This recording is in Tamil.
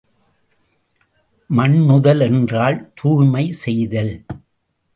மண்ணுதல் என்றால் தூய்மை செய்தல்.